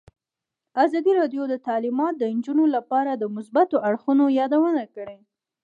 ازادي راډیو د تعلیمات د نجونو لپاره د مثبتو اړخونو یادونه کړې.